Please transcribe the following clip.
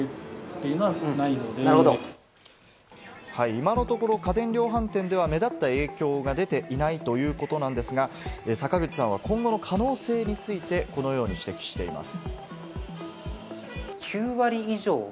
今のところ家電量販店では目立った影響が出ていないということですが、坂口さんは今後の可能性についてこのように指摘しています。